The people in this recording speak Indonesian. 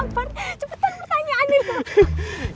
cepetan pertanyaan nih